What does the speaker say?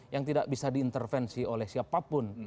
yang tidak bisa diintervensi oleh siapapun